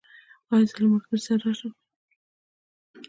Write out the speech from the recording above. ایا زه له ملګري سره راشم؟